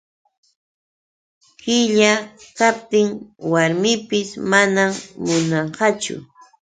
Qilla kaptin warmipis manam munanqachu.